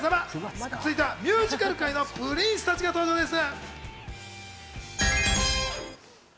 続いてはミュージカル界のプリンスたちが登場です。